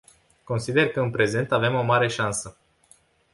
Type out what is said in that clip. Consider că în prezent avem o mare șansă.